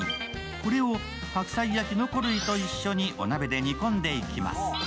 これを白菜やきのこ類と一緒にお鍋で煮込んでいきます。